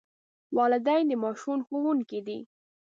والدین د ماشوم ښوونکي دي.